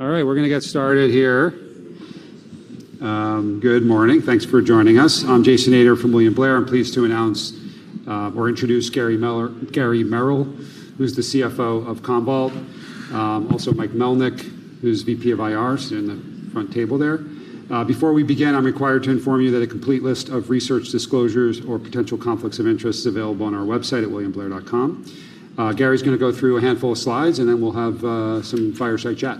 All right. We're going to get started here. Good morning. Thanks for joining us. I'm Jason Ader from William Blair. I'm pleased to announce, or introduce, Gary Merrill, who's the CFO of Commvault. Also, Mike Melnyk, who's VP of IR, sitting at the front table there. Before we begin, I'm required to inform you that a complete list of research disclosures or potential conflicts of interest is available on our website at williamblair.com. Gary's going to go through a handful of slides, and then we'll have some fireside chat.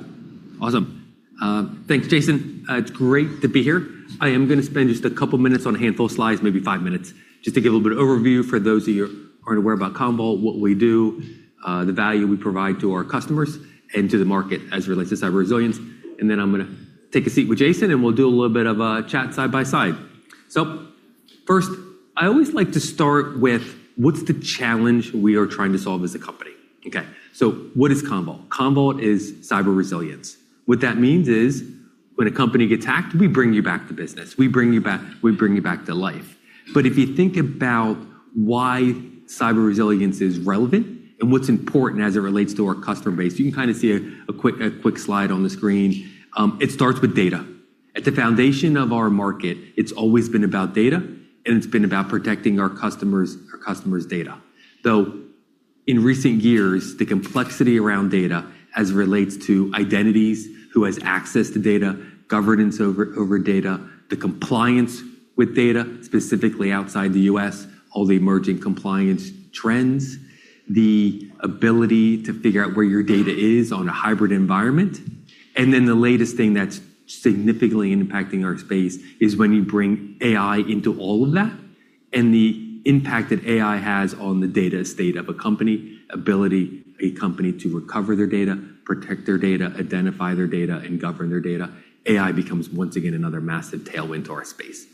Awesome. Thanks, Jason. It's great to be here. I am going to spend just a couple of minutes on a handful of slides, maybe five minutes, just to give a little bit of overview for those of you who aren't aware about Commvault, what we do, the value we provide to our customers, and to the market as it relates to cyber resilience. Then I'm going to take a seat with Jason, and we'll do a little bit of a chat side-by-side. First, I always like to start with what's the challenge we are trying to solve as a company. Okay, what is Commvault? Commvault is cyber resilience. What that means is, when a company gets hacked, we bring you back to business. We bring you back to life. If you think about why cyber resilience is relevant and what's important as it relates to our customer base, you can see a quick slide on the screen. It starts with data. At the foundation of our market, it's always been about data, and it's been about protecting our customers' data. In recent years, the complexity around data as it relates to identities, who has access to data, governance over data, the compliance with data, specifically outside the U.S., all the emerging compliance trends, the ability to figure out where your data is on a hybrid environment, and then the latest thing that's significantly impacting our space is when you bring AI into all of that, and the impact that AI has on the data state of a company, ability a company to recover their data, protect their data, identify their data, and govern their data. AI becomes, once again, another massive tailwind to our space.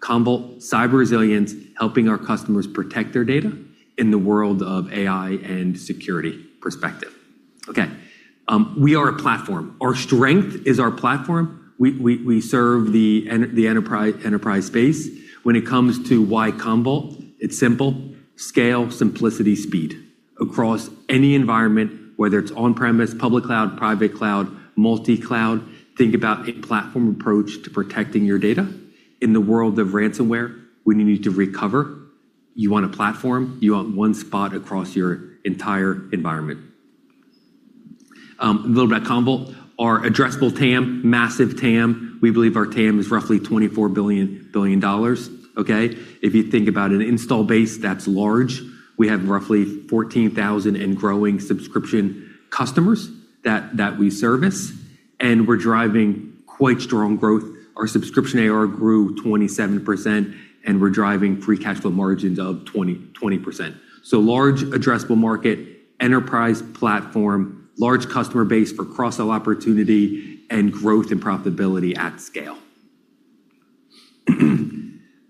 Commvault, cyber resilience, helping our customers protect their data in the world of AI and security perspective. Okay. We are a platform. Our strength is our platform. We serve the enterprise space. When it comes to why Commvault, it's simple. Scale, simplicity, speed across any environment, whether it's on-premise, public cloud, private cloud, multi-cloud. Think about a platform approach to protecting your data. In the world of ransomware, when you need to recover, you want a platform, you want one spot across your entire environment. A little about Commvault. Our addressable TAM, massive TAM. We believe our TAM is roughly $24 billion. Okay? If you think about an install base that's large, we have roughly 14,000 and growing subscription customers that we service, and we're driving quite strong growth. Our subscription ARR grew 27%, and we're driving free cash flow margins of 20%. Large addressable market, enterprise platform, large customer base for cross-sell opportunity, and growth and profitability at scale.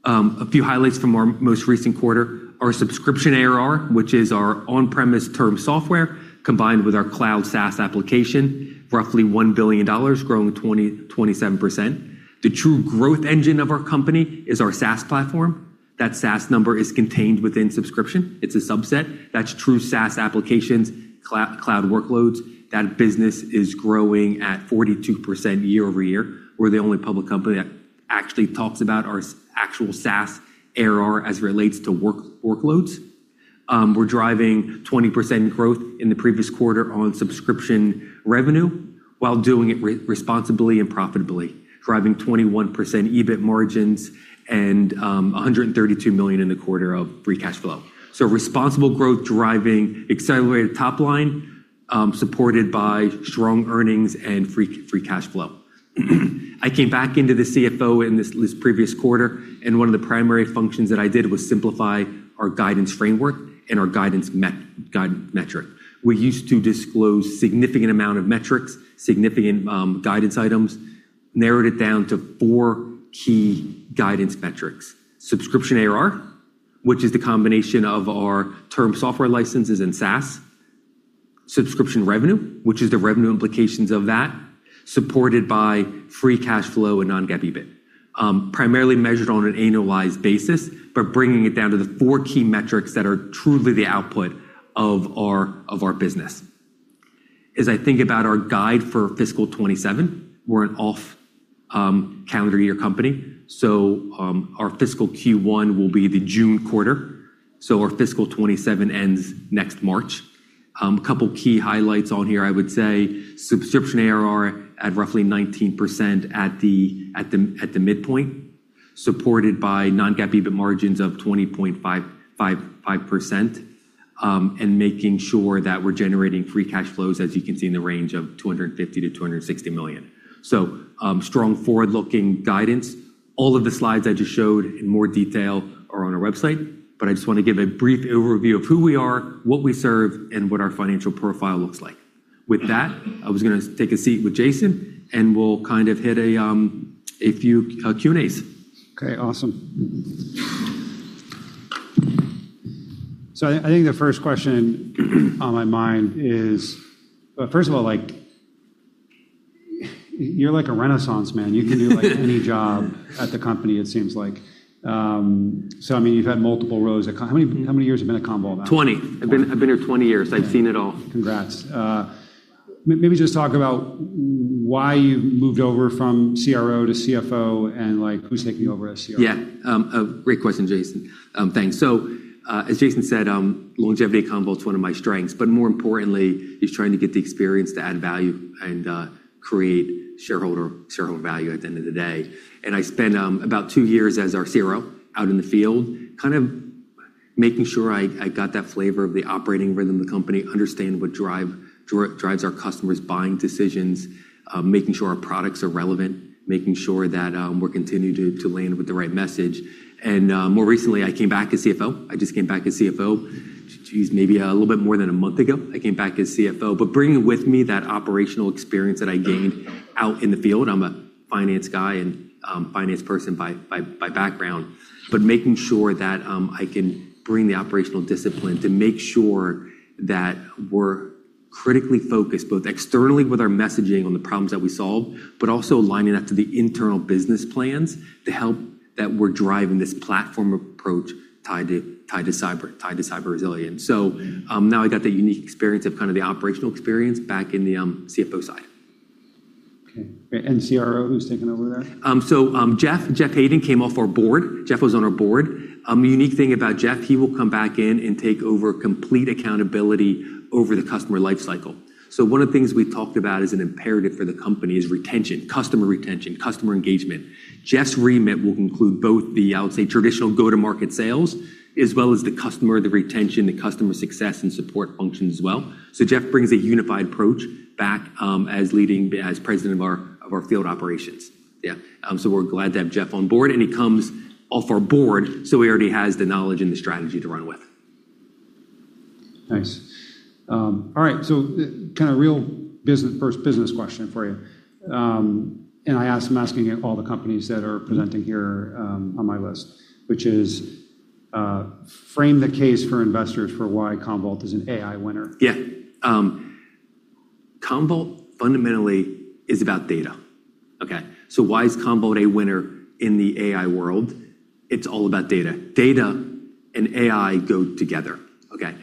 A few highlights from our most recent quarter. Our subscription ARR, which is our on-premise term software, combined with our cloud SaaS application, roughly $1 billion, growing 27%. The true growth engine of our company is our SaaS platform. That SaaS number is contained within subscription. It's a subset. That's true SaaS applications, cloud workloads. That business is growing at 42% year-over-year. We're the only public company that actually talks about our actual SaaS ARR as it relates to workloads. We're driving 20% growth in the previous quarter on subscription revenue while doing it responsibly and profitably, driving 21% EBIT margins and $132 million in the quarter of free cash flow. Responsible growth driving accelerated top line, supported by strong earnings and free cash flow. I came back into the CFO in this previous quarter, and one of the primary functions that I did was simplify our guidance framework and our guidance metric. We used to disclose significant amount of metrics, significant guidance items, narrowed it down to four key guidance metrics. Subscription ARR, which is the combination of our term software licenses and SaaS. Subscription revenue, which is the revenue implications of that, supported by free cash flow and non-GAAP EBIT. Primarily measured on an annualized basis, but bringing it down to the four key metrics that are truly the output of our business. As I think about our guide for fiscal 2027, we're an off-calendar year company, so our fiscal Q1 will be the June quarter, so our fiscal 2027 ends next March. A couple of key highlights on here, I would say subscription ARR at roughly 19% at the midpoint, supported by non-GAAP EBIT margins of 20.5%, and making sure that we're generating free cash flows, as you can see, in the range of $250 million-$260 million. Strong forward-looking guidance. All of the slides I just showed in more detail are on our website, but I just want to give a brief overview of who we are, what we serve, and what our financial profile looks like. With that, I was going to take a seat with Jason, and we'll hit a few Q&As. Okay, awesome. I think the first question on my mind is, You're like a renaissance man. You can do any job at the company, it seems like. You've had multiple roles. How many years have you been at Commvault now? 20. I've been here 20 years. I've seen it all. Congrats. Maybe just talk about why you've moved over from CRO to CFO and who's taking over as CRO. Yeah. A great question, Jason. Thanks. As Jason said, longevity at Commvault's one of my strengths, but more importantly, is trying to get the experience to add value and create shareholder value at the end of the day. I spent about two years as our CRO out in the field, kind of making sure I got that flavor of the operating rhythm of the company, understand what drives our customers' buying decisions, making sure our products are relevant, making sure that we're continuing to land with the right message. More recently, I came back as CFO. I just came back as CFO, geez, maybe a little bit more than one month ago. I came back as CFO, but bringing with me that operational experience that I gained out in the field. I'm a finance guy and finance person by background. Making sure that I can bring the operational discipline to make sure that we're critically focused, both externally with our messaging on the problems that we solve, but also aligning that to the internal business plans to help that we're driving this platform approach tied to cyber resilience. Now I got that unique experience of kind of the operational experience back in the CFO side. Okay. CRO, who's taking over there? Geoff Haydon came off our Board. Geoff was on our Board. The unique thing about Geoff, he will come back in and take over complete accountability over the customer life cycle. One of the things we've talked about as an imperative for the company is retention, customer retention, customer engagement. Geoff's remit will include both the, I would say, traditional go-to-market sales, as well as the customer, the retention, the customer success, and support functions as well. Geoff brings a unified approach back as President of our Field Operations. Yeah. We're glad to have Geoff on board, and he comes off our board, so he already has the knowledge and the strategy to run with. Nice. All right. First business question for you, and I'm asking all the companies that are presenting here on my list, which is frame the case for investors for why Commvault is an AI winner. Yeah. Commvault fundamentally is about data. Okay? Why is Commvault a winner in the AI world? It's all about data. Data and AI go together. Okay?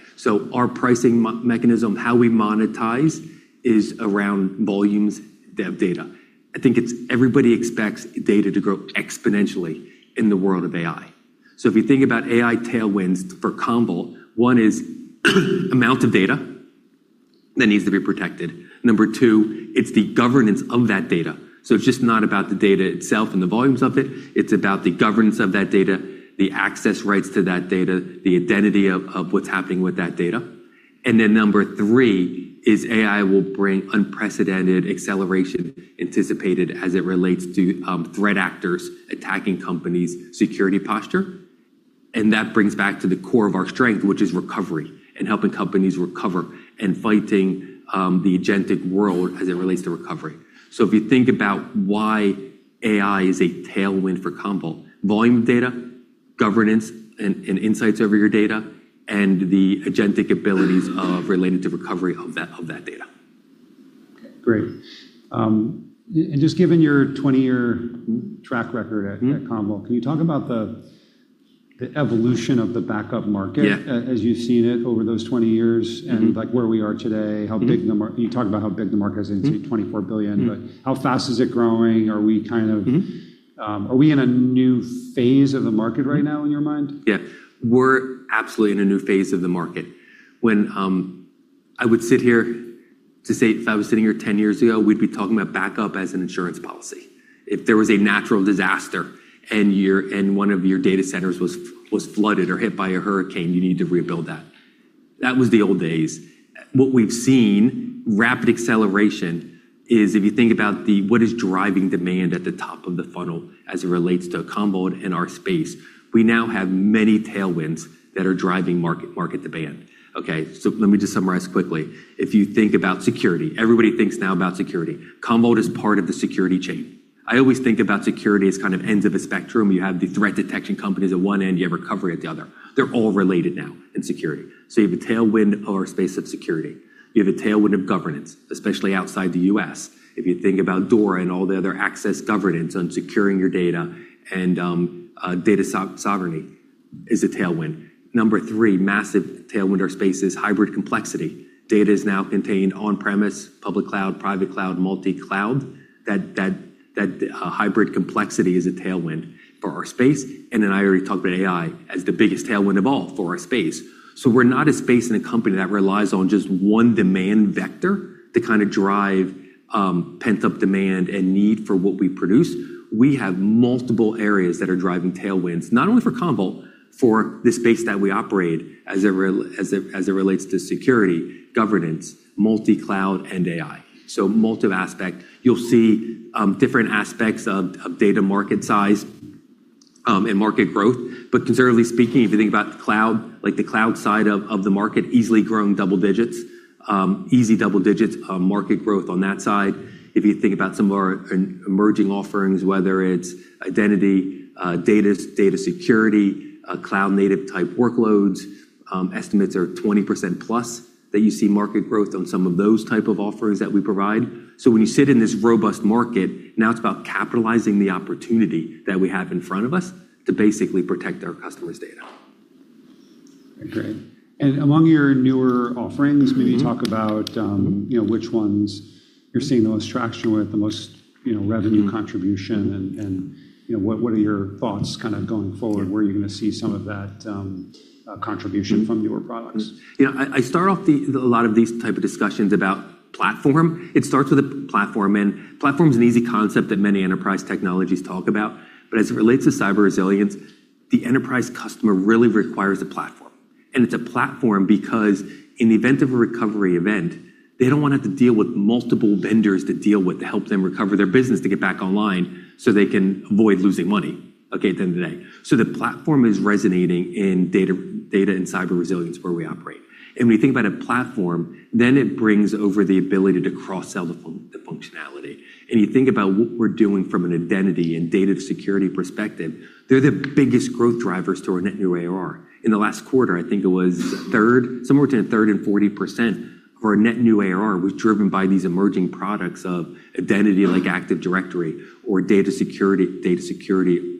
Our pricing mechanism, how we monetize, is around volumes of data. I think everybody expects data to grow exponentially in the world of AI. If you think about AI tailwinds for Commvault, one is amount of data that needs to be protected. Number two, it's the governance of that data. It's just not about the data itself and the volumes of it's about the governance of that data, the access rights to that data, the identity of what's happening with that data. Number three is AI will bring unprecedented acceleration anticipated as it relates to threat actors attacking companies' security posture. That brings back to the core of our strength, which is recovery and helping companies recover and fighting the agentic world as it relates to recovery. If you think about why AI is a tailwind for Commvault, volume of data, governance, and insights over your data, and the agentic abilities of related to recovery of that data. Great. Just given your 20-year track record at Commvault. Can you talk about the evolution of the backup market? Yeah As you've seen it over those 20 years and where we are today, you talked about how big the market is, I think you said $24 billion. How fast is it growing? Are we in a new phase of the market right now, in your mind? We're absolutely in a new phase of the market. If I was sitting here 10 years ago, we'd be talking about backup as an insurance policy. If there was a natural disaster and one of your data centers was flooded or hit by a hurricane, you need to rebuild that. That was the old days. What we've seen, rapid acceleration, is if you think about what is driving demand at the top of the funnel as it relates to Commvault and our space. We now have many tailwinds that are driving market demand. Let me just summarize quickly. If you think about security, everybody thinks now about security. Commvault is part of the security chain. I always think about security as kind of ends of a spectrum. You have the threat detection companies at one end, you have recovery at the other. They're all related now in security. You have a tailwind of our space of security. You have a tailwind of governance, especially outside the U.S. If you think about DORA and all the other access governance on securing your data, and data sovereignty is a tailwind. Number three massive tailwind are spaces, hybrid complexity. Data is now contained on-premise, public cloud, private cloud, multi-cloud. That hybrid complexity is a tailwind for our space. I already talked about AI as the biggest tailwind of all for our space. We're not a space and a company that relies on just one demand vector to kind of drive pent-up demand and need for what we produce. We have multiple areas that are driving tailwinds, not only for Commvault, for the space that we operate as it relates to security, governance, multi-cloud, and AI. Multiple aspects. You'll see different aspects of data market size and market growth. Conservatively speaking, if you think about the cloud, like the cloud side of the market, easily growing double digits, easy double-digits market growth on that side. If you think about some of our emerging offerings, whether it's identity, data security, cloud native type workloads, estimates are 20% plus that you see market growth on some of those type of offerings that we provide. When you sit in this robust market, now it's about capitalizing the opportunity that we have in front of us to basically protect our customers' data. Okay. Among your newer offerings maybe talk about which ones you're seeing the most traction with, the most revenue contribution. What are your thoughts going forward? Where are you going to see some of that contribution from newer products? I start off a lot of these type of discussions about platform. It starts with a platform, and platform's an easy concept that many enterprise technologies talk about. As it relates to cyber resilience, the enterprise customer really requires a platform. It's a platform because in the event of a recovery event, they don't want to have to deal with multiple vendors to deal with to help them recover their business to get back online so they can avoid losing money, okay, at the end of the day. The platform is resonating in data and cyber resilience, where we operate. When you think about a platform, it brings over the ability to cross-sell the functionality. You think about what we're doing from an identity and data security perspective, they're the biggest growth drivers to our net new ARR. In the last quarter, I think it was somewhere between a 30% and 40% of our net new ARR was driven by these emerging products of identity, like Active Directory or data security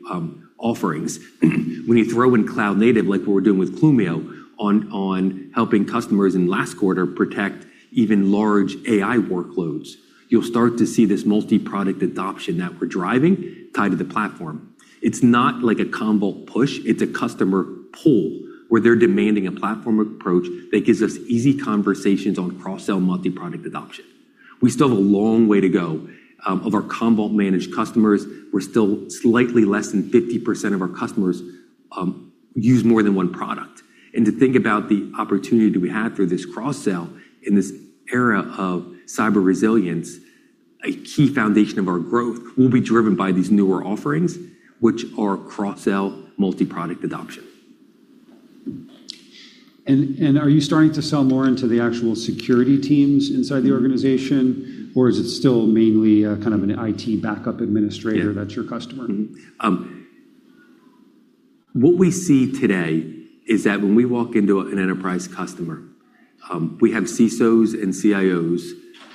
offerings. When you throw in cloud native, like what we're doing with Clumio on helping customers in last quarter protect even large AI workloads, you'll start to see this multi-product adoption that we're driving tied to the platform. It's not like a Commvault push, it's a customer pull, where they're demanding a platform approach that gives us easy conversations on cross-sell multi-product adoption. We still have a long way to go. Of our Commvault Managed customers, still slightly less than 50% of our customers use more than one product. To think about the opportunity that we have through this cross-sell in this era of cyber resilience, a key foundation of our growth will be driven by these newer offerings, which are cross-sell multi-product adoption. Are you starting to sell more into the actual security teams inside the organization, or is it still mainly an IT backup administrator that's your customer? What we see today is that when we walk into an enterprise customer, we have CISOs and CIOs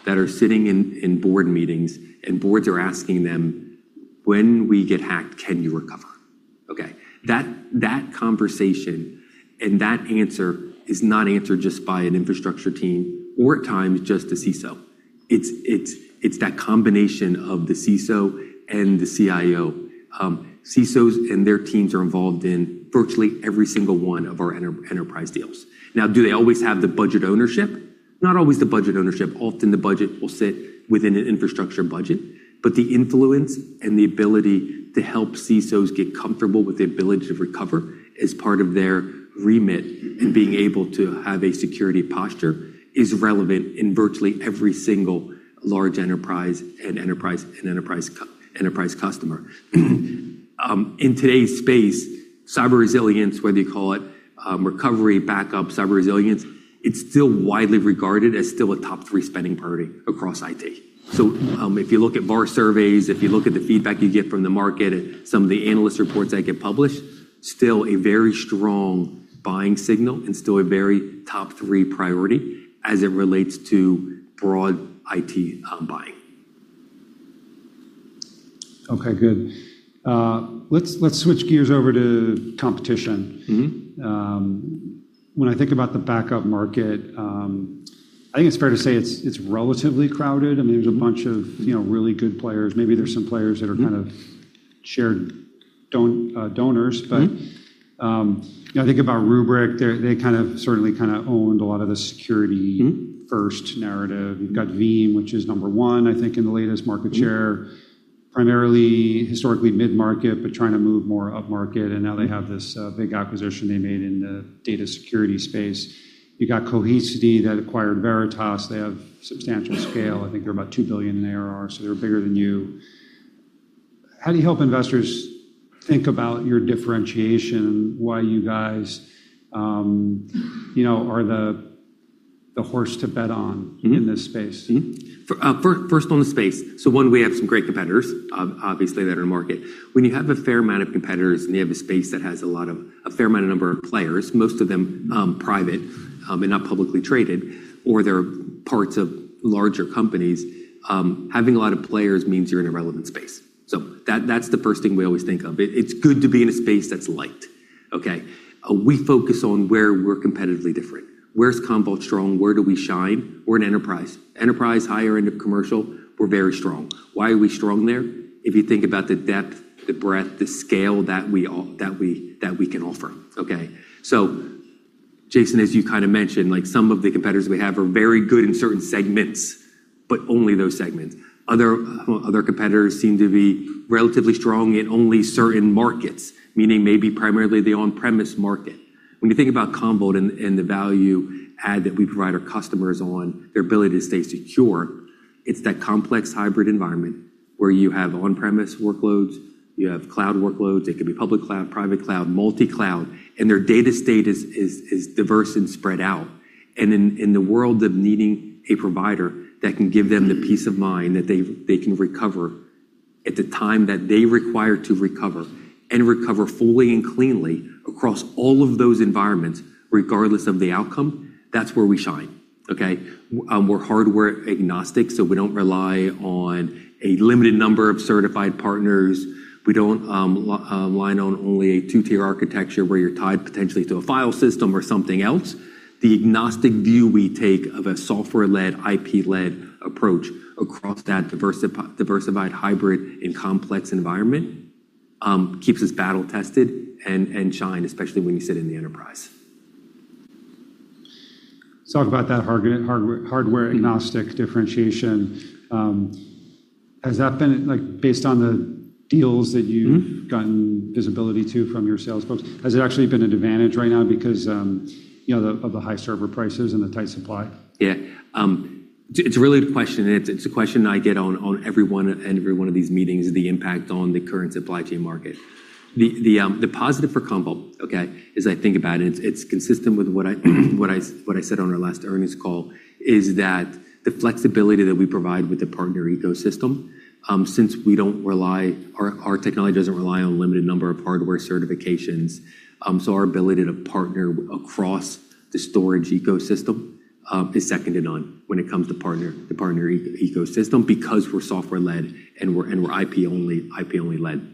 that are sitting in Board meetings, and Boards are asking them, when we get hacked, can you recover? That conversation and that answer is not answered just by an infrastructure team or, at times, just a CISO. It's that combination of the CISO and the CIO. CISOs and their teams are involved in virtually every single one of our enterprise deals. Now, do they always have the budget ownership? Not always the budget ownership. Often, the budget will sit within an infrastructure budget. The influence and the ability to help CISOs get comfortable with the ability to recover as part of their remit and being able to have a security posture is relevant in virtually every single large enterprise and enterprise customer. In today's space, cyber resilience, whether you call it recovery, backup, cyber resilience, it's still widely regarded as still a top-three spending priority across IT. If you look at BARC surveys, if you look at the feedback you get from the market and some of the analyst reports that get published, still a very strong buying signal and still a very top-three priority as it relates to broad IT buying. Okay, good. Let's switch gears over to competition. When I think about the backup market, I think it's fair to say it's relatively crowded. There's a bunch of really good players. Maybe there's some players that are kind of shared donors, but I think about Rubrik, they certainly owned a lot of the security first narrative. You've got Veeam, which is number one, I think in the latest market share, primarily historically mid-market, but trying to move more up market, and now they have this big acquisition they made in the data security space. You got Cohesity that acquired Veritas. They have substantial scale. I think they're about $2 billion in ARR, so they're bigger than you. How do you help investors think about your differentiation and why you guys are the horse to bet on in this space? First, on the space. One, we have some great competitors, obviously, that are in the market. When you have a fair amount of competitors and you have a space that has a fair amount of number of players, most of them private and not publicly traded, or they're parts of larger companies, having a lot of players means you're in a relevant space. That's the first thing we always think of. It's good to be in a space that's light, okay? We focus on where we're competitively different. Where's Commvault strong? Where do we shine? We're in enterprise. Enterprise, higher end of commercial, we're very strong. Why are we strong there? If you think about the depth, the breadth, the scale that we can offer, okay? Jason, as you mentioned, some of the competitors we have are very good in certain segments, but only those segments. Other competitors seem to be relatively strong in only certain markets, meaning maybe primarily the on-premise market. When you think about Commvault and the value add that we provide our customers on their ability to stay secure, it's that complex hybrid environment where you have on-premise workloads, you have cloud workloads, it could be public cloud, private cloud, multi-cloud, and their data state is diverse and spread out. In the world of needing a provider that can give them the peace of mind that they can recover at the time that they require to recover and recover fully and cleanly across all of those environments, regardless of the outcome, that's where we shine. Okay? We're hardware agnostic, we don't rely on a limited number of certified partners. We don't rely on only a two-tier architecture where you're tied potentially to a file system or something else. The agnostic view we take of a software-led, IP-led approach across that diversified hybrid and complex environment keeps us battle-tested and shine, especially when you sit in the enterprise. Talk about that hardware-agnostic differentiation. Based on the deals gotten visibility to from your sales folks, has it actually been an advantage right now because of the high server prices and the tight supply? It's really the question, and it's a question that I get on every one of these meetings, the impact on the current supply chain market. The positive for Commvault, okay, as I think about it's consistent with what I said on our last earnings call, is that the flexibility that we provide with the partner ecosystem, since our technology doesn't rely on a limited number of hardware certifications, so our ability to partner across the storage ecosystem is seconded on when it comes to the partner ecosystem because we're software-led and we're IP-only led.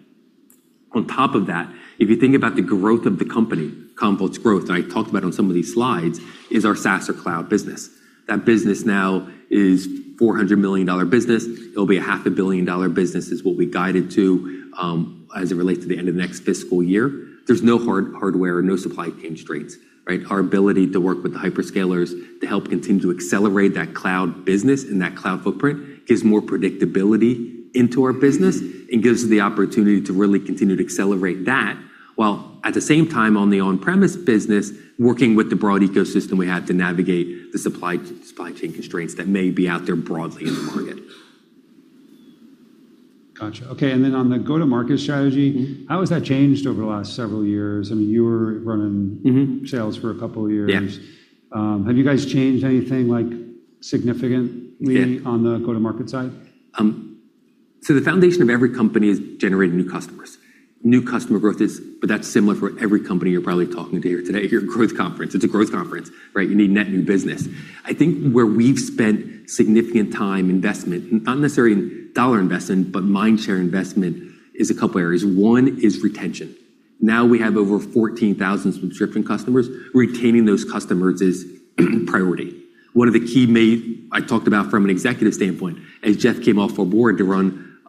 If you think about the growth of the company, Commvault's growth, I talked about on some of these slides, is our SaaS or cloud business. That business now is a $400 million business. It'll be a $500 million business is what we guided to as it relates to the end of the next fiscal year. There's no hardware, no supply chain constraints, right? Our ability to work with the hyperscalers to help continue to accelerate that cloud business and that cloud footprint gives more predictability into our business and gives the opportunity to really continue to accelerate that, while at the same time on the on-premise business, working with the broad ecosystem we have to navigate the supply chain constraints that may be out there broadly in the market. Got you. Okay, on the go-to-market strategy how has that changed over the last several years? sales for a couple of years. Yeah. Have you guys changed anything significantly? Yeah on the go-to-market side? The foundation of every company is generating new customers. New customer growth is similar for every company you're probably talking to here today here at Growth Conference. It's a Growth Conference, right? You need net new business. I think where we've spent significant time investment, not necessarily dollar investment, but mindshare investment is a couple areas. One is retention. Now we have over 14,000 subscription customers. Retaining those customers is priority one. One of the key moves I talked about from an executive standpoint, as Geoff came off our Board to run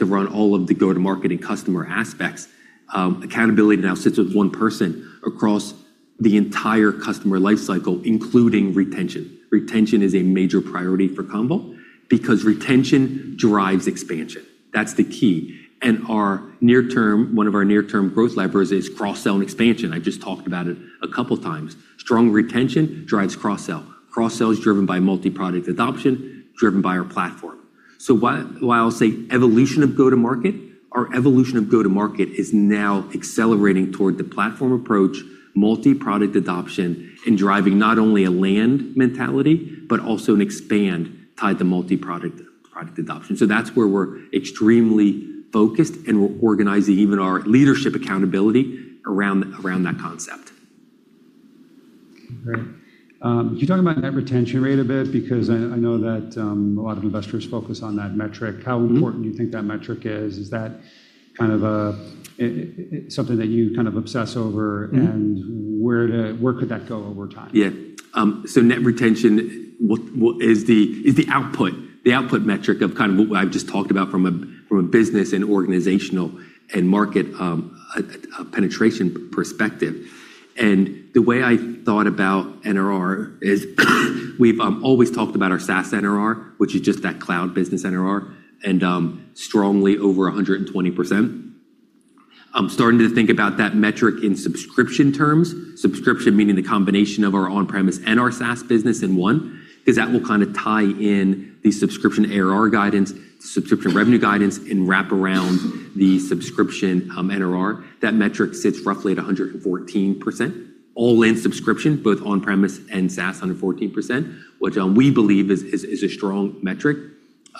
all of the go-to-market and customer aspects, accountability now sits with one person across the entire customer life cycle, including retention. Retention is a major priority for Commvault because retention drives expansion. That's the key. One of our near-term growth levers is cross-sell and expansion. I just talked about it a couple times. Strong retention drives cross-sell. Cross-sell is driven by multi-product adoption, driven by our platform. While I'll say evolution of go-to-market, our evolution of go-to-market is now accelerating toward the platform approach, multi-product adoption, and driving not only a land mentality, but also an expand tied to multi-product adoption. That's where we're extremely focused, and we're organizing even our leadership accountability around that concept. Great. Can you talk about net retention rate a bit? Because I know that a lot of investors focus on that metric. How important do you think that metric is? Is that something that you obsess over? Where could that go over time? Yeah. Net retention is the output metric of what I've just talked about from a business and organizational and market penetration perspective, and the way I thought about NRR is we've always talked about our SaaS NRR, which is just that cloud business NRR, and strongly over 120%. I'm starting to think about that metric in subscription terms, subscription meaning the combination of our on-premise and our SaaS business in one, because that will tie in the subscription ARR guidance, subscription revenue guidance, and wrap around the subscription NRR. That metric sits roughly at 114%, all in subscription, both on-premise and SaaS, 114%, which we believe is a strong metric.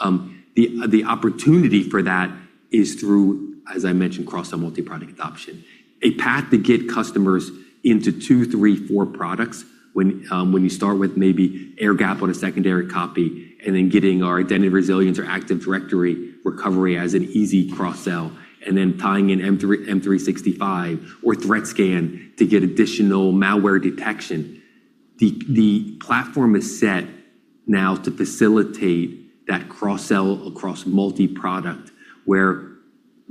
The opportunity for that is through, as I mentioned, cross and multi-product adoption. A path to get customers into two, three, four products when you start with maybe air gap on a secondary copy, and then getting our Identity Resilience or Active Directory recovery as an easy cross-sell, and then tying in M365 or Threat Scan to get additional malware detection. The platform is set now to facilitate that cross-sell across multi-product, where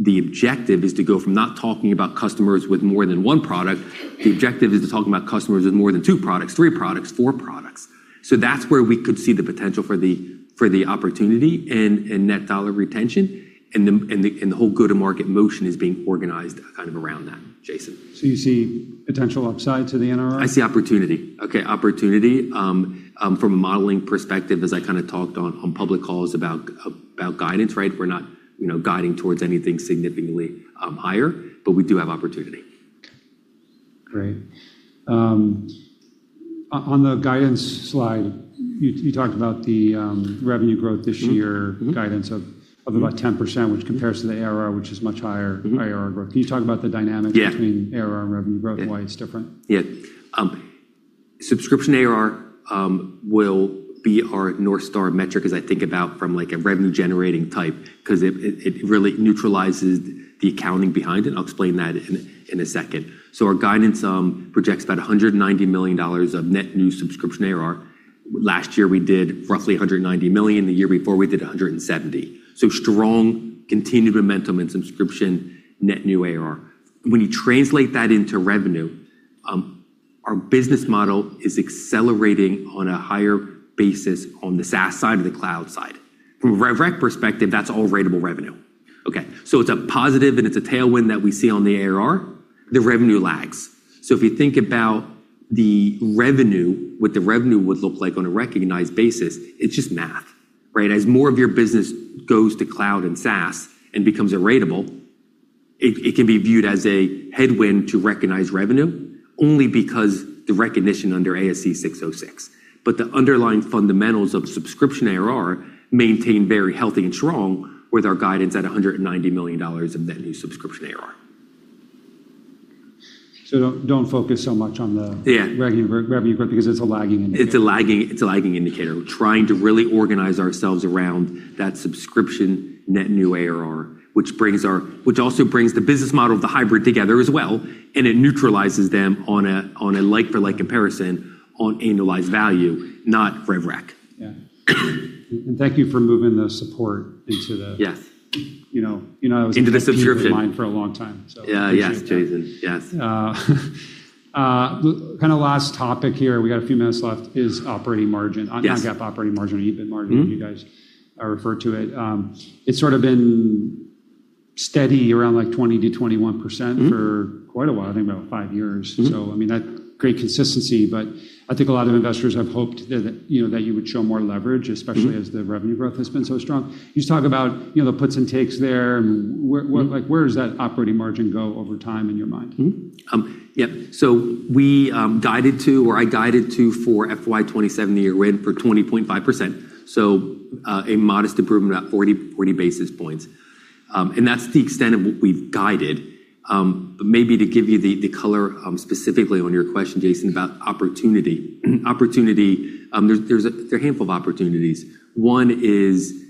the objective is to go from not talking about customers with more than one product. The objective is to talk about customers with more than two products, three products, four products. That's where we could see the potential for the opportunity and net dollar retention, and the whole go-to-market motion is being organized around that, Jason. You see potential upside to the NRR? I see opportunity. Okay, opportunity. From a modeling perspective, as I talked on public calls about guidance, right? We're not guiding towards anything significantly higher, we do have opportunity. Great. On the guidance slide, you talked about the revenue growth this year. Guidance of about 10%, which compares to the ARR, which is much higher. ARR growth. Can you talk about the dynamic? Yeah between ARR and revenue growth and why it's different? Subscription ARR will be our North Star metric as I think about from a revenue-generating type, because it really neutralizes the accounting behind it, and I'll explain that in a second. Our guidance projects about $190 million of net new subscription ARR. Last year, we did roughly $190 million. The year before, we did $170 million. Strong continued momentum in subscription net new ARR. When you translate that into revenue, our business model is accelerating on a higher basis on the SaaS side or the cloud side. From a rev rec perspective, that's all ratable revenue. It's a positive, and it's a tailwind that we see on the ARR. The revenue lags. If you think about the revenue, what the revenue would look like on a recognized basis, it's just math. Right? As more of your business goes to cloud and SaaS and becomes ratable, it can be viewed as a headwind to recognized revenue only because the recognition under ASC 606. The underlying fundamentals of subscription ARR maintain very healthy and strong with our guidance at $190 million of net new subscription ARR. Don't focus so much on the Yeah revenue growth because it's a lagging indicator. It's a lagging indicator. We're trying to really organize ourselves around that subscription net new ARR, which also brings the business model of the hybrid together as well, and it neutralizes them on a like-for-like comparison on annualized value, not rev rec. Yeah. thank you for moving the support into the. Yes into the subscription. That was on my mind for a long time. Yeah. Yes, Jason. Yes. Last topic here, we got a few minutes left, is operating margin. Yes. Non-GAAP operating margin or EBIT margin as you guys refer to it. It's been steady around 20%-21% for quite a while, I think about five years. That great consistency, but I think a lot of investors have hoped that you would show more leverage especially as the revenue growth has been so strong. Can you just talk about the puts and takes there, and where does that operating margin go over time in your mind? Yep. We guided to, or I guided to, for FY 2027, we're in for 20.5%. A modest improvement, about 40 basis points. That's the extent of what we've guided. Maybe to give you the color, specifically on your question, Jason, about opportunity. Opportunity, there are a handful of opportunities. One is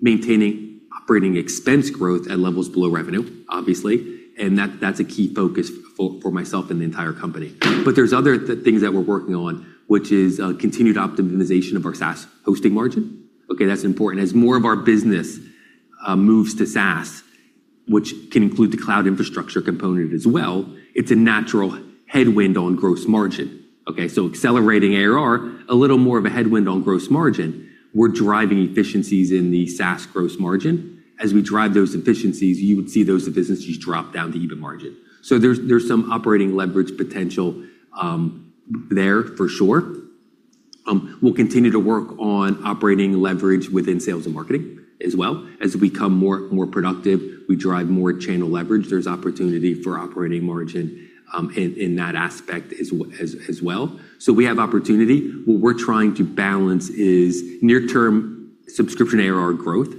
maintaining operating expense growth at levels below revenue, obviously, and that's a key focus for myself and the entire company. There's other things that we're working on, which is continued optimization of our SaaS hosting margin. Okay, that's important. As more of our business moves to SaaS, which can include the cloud infrastructure component as well, it's a natural headwind on gross margin. Okay, accelerating ARR, a little more of a headwind on gross margin. We're driving efficiencies in the SaaS gross margin. As we drive those efficiencies, you would see those efficiencies drop down to EBIT margin. There's some operating leverage potential there for sure. We'll continue to work on operating leverage within sales and marketing as well. As we become more productive, we drive more channel leverage. There's opportunity for operating margin in that aspect as well. We have opportunity. What we're trying to balance is near-term subscription ARR growth,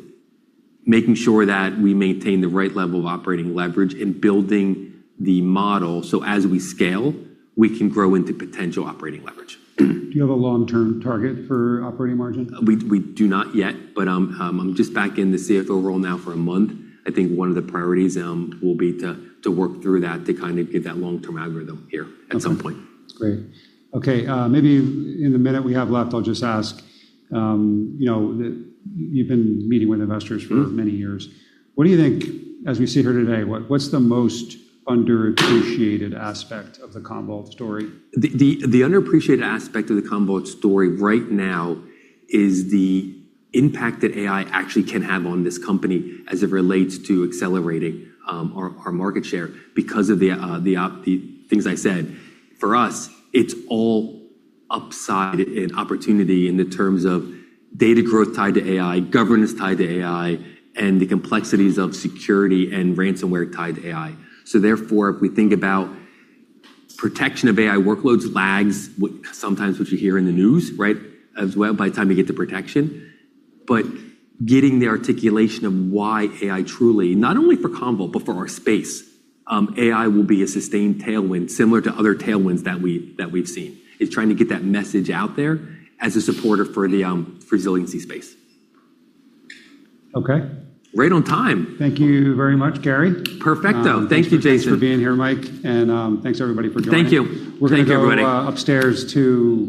making sure that we maintain the right level of operating leverage, and building the model so as we scale, we can grow into potential operating leverage Do you have a long-term target for operating margin? We do not yet. I'm just back in the CFO role now for a month. I think one of the priorities will be to work through that to get that long-term algorithm here at some point. That's great. Okay, maybe in the minute we have left, I'll just ask, you've been meeting with investors for many years. What do you think as we sit here today, what's the most underappreciated aspect of the Commvault story? The underappreciated aspect of the Commvault story right now is the impact that AI actually can have on this company as it relates to accelerating our market share because of the things I said. For us, it's all upside and opportunity in the terms of data growth tied to AI, governance tied to AI, and the complexities of security and ransomware tied to AI. Therefore, if we think about protection of AI workloads lags sometimes what you hear in the news, right, as well, by the time you get to protection. Getting the articulation of why AI truly, not only for Commvault but for our space, AI will be a sustained tailwind similar to other tailwinds that we've seen, is trying to get that message out there as a supporter for the resiliency space. Okay. Right on time. Thank you very much, Gary. Perfecto. Thanks, Jason. Thanks for being here, Mike, and thanks everybody for joining. Thank you. Thank you, everybody. We're going to go upstairs.